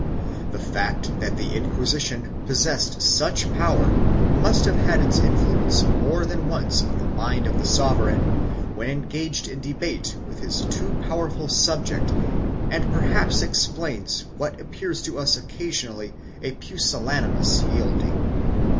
The fact that the Inquisition possessed such power must have had its influence more than once on the mind of the sovereign when engaged in debate with his too powerful subject and perhaps explains what appears to us occasionally a pusil lanimous yielding.